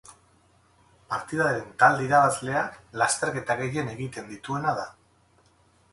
Partidaren talde irabazlea lasterketa gehien egiten dituena da.